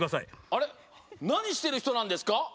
あれなにしてるひとなんですか？